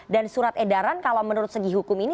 dan surat edaran kalau menurut segi hukum ini